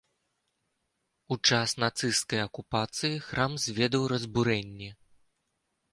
У час нацысцкай акупацыі храм зведаў разбурэнні.